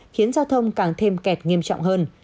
khiến giao thông càng thêm kẹt nghiêm trọng hơn